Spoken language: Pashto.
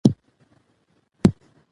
تعلیم ممکن فساد کم کړي.